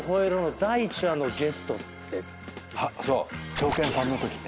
ショーケンさんのときね。